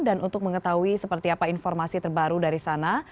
dan untuk mengetahui seperti apa informasi terbaru dari sana